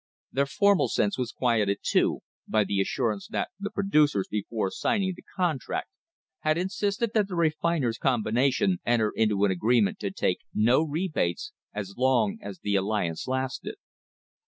Their formal sense was quieted, too, by the assurance that the producers before signing the con tract had insisted that the Refiners' Combination enter into an agreement to take no rebates as long as the alliance lasted.